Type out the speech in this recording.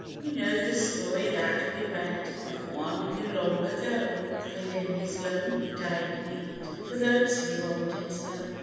" You know the story that we read, Of One who long ago Prayed in His lonely, dying need, For those who wronged Him so.